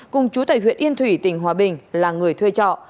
cùng chú tại huyện yên thủy tỉnh hòa bình là người thuê trọ